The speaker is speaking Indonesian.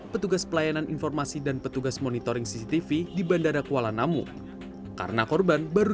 petugas pelayanan informasi dan petugas monitoring cctv di bandara kuala namu karena korban baru